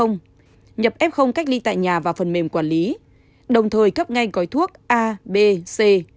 nhập f ly tại nhà vào phần mềm quản lý đồng thời cấp ngay gói thuốc a b c